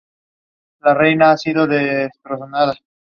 La estación será construida de manera subterránea en el distrito de Ate.